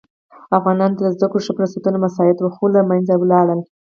افغانانو ته د زده کړو ښه فرصتونه مساعد وه خو له منځه ولاړل.